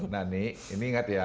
nah ini ingat ya